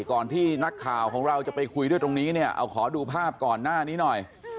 ก่อนที่นักข่าวของเราจะไปคุยด้วยตรงนี้เนี่ยเอาขอดูภาพก่อนหน้านี้หน่อย